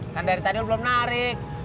kan dari tadi lo belom narik